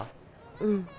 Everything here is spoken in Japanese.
うん。